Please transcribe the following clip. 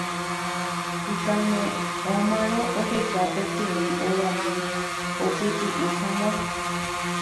Ikane'õmarõ oheka peteĩ ogami opytu'u hag̃ua.